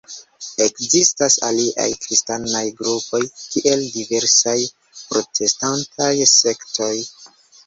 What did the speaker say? Ekzistas aliaj kristanaj grupoj kiel diversaj protestantaj sektoj.